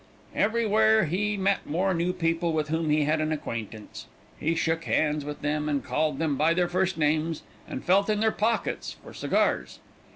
"Everywhere he met more new people with whom he had an acquaintance. He shook hands with them, and called them by their first names, and felt in their pockets for cigars.